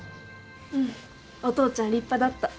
うんお父ちゃん立派だった。